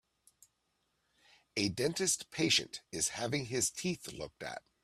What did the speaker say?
A dentist patient is having his teeth looked at